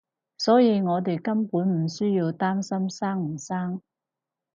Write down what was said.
所以我哋根本唔需要擔心生唔生